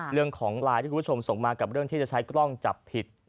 เรื่องของไลน์ที่คุณผู้ชมส่งมากับเรื่องที่จะใช้กล้องจับผิด